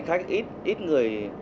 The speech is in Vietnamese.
khách ít người